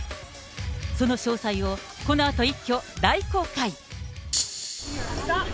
その詳細を、このあと一挙大公開。